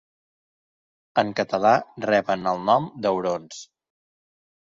En català reben el nom d'aurons.